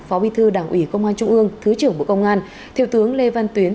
phó bí thư đảng ủy công an trung ương thứ trưởng bộ công an thiếu tướng lê văn tuyến